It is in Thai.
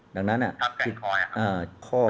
ดังนั้นอ่ะครับแก่งคอยครับครับ